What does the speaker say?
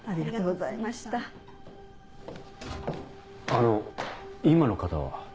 あの今の方は？